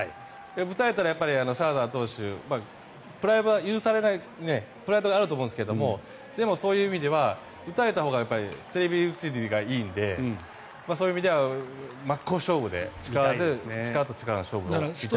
打たれたらシャーザー投手プライドがあると思うんですがでも、そういう意味では打たれたほうがテレビ映りがいいのでそういう意味では真っ向勝負で力と力の勝負を見たいなって。